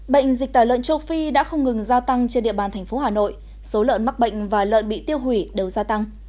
bệnh dịch tả lợn châu phi đã không ngừng gia tăng trên địa bàn thành phố hà nội số lợn mắc bệnh và lợn bị tiêu hủy đều gia tăng